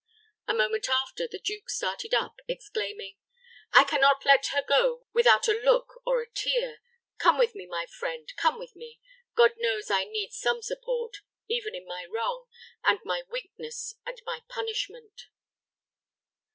A moment after, the duke started up, exclaiming, "I can not let her go without a look or a tear! Come with me, my friend, come with me. God knows I need some support, even in my wrong, and my weakness, and my punishment."